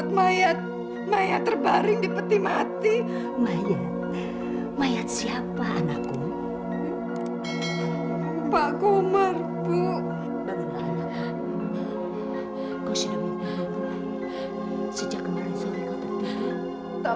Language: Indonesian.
sampai jumpa di video selanjutnya